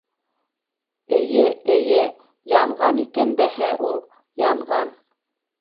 Эйе, эйе... янған икән дәһә ул, янған...